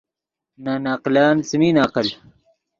نے نقلن څیمین عقل